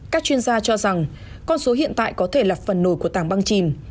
các chuyên gia cho rằng con số hiện tại có thể là phần nổi của tảng băng chìm